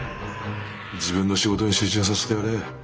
自分の仕事に集中させてやれ。